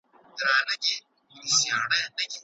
که ته پیاده تګ ته زړه ښه کړې نو روغتیا به دې ښه شي.